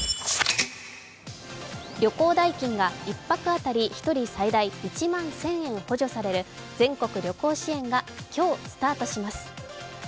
旅行代金が１泊当たり１人最大１万１０００円補助される全国旅行支援が今日、スタートします。